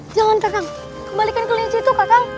jangan kakang kembalikan kelinci itu kakang